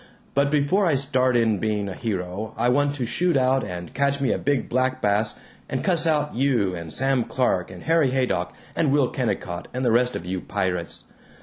But before I start in being a hero I want to shoot out and catch me a big black bass and cuss out you and Sam Clark and Harry Haydock and Will Kennicott and the rest of you pirates.